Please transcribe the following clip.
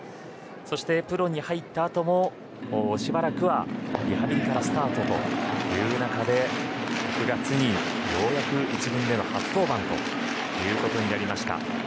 そして、プロに入ったあともしばらくはリハビリからスタートという中で９月にようやく１軍での初登板となりました。